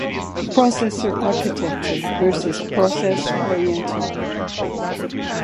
"Prozessor-Architektur" versus "Prozess-Orientierung".